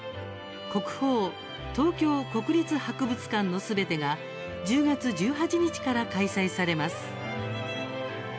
「国宝東京国立博物館のすべて」が１０月１８日から開催されます。